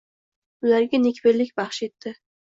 Ularga nekbinlik baxsh etdi